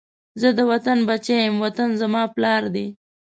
زه د وطن بچی یم، وطن زما پلار دی